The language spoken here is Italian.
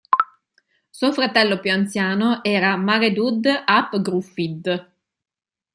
Suo fratello più anziano era Maredudd ap Gruffydd.